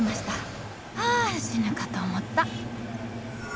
はあ死ぬかと思った。